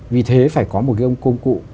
vì thế phải có một công cụ